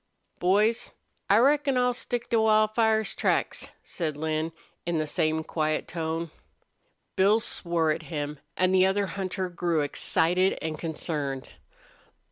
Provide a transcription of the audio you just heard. "Boys, I reckon I'll stick to Wildfire's tracks," said Lin, in the same quiet tone. Bill swore at him, and the other hunter grew excited and concerned.